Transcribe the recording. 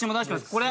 これ。